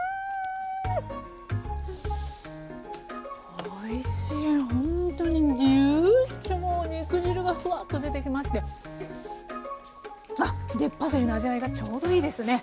おいしいほんとにジューッと肉汁がフワッと出てきましてあっでパセリの味わいがちょうどいいですね。